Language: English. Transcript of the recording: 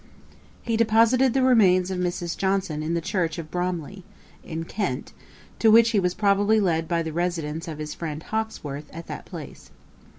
] He deposited the remains of Mrs. Johnson in the church of Bromley, in Kent, to which he was probably led by the residence of his friend Hawkesworth at that place.